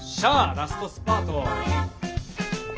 ラストスパート。